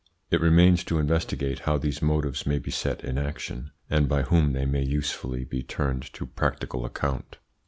It remains to investigate how these motives may be set in action, and by whom they may usefully be turned to practical account.